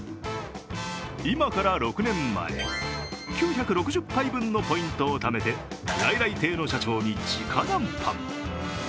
今から６年前、９６０杯分のポイントをためて来来亭の社長にじか談判。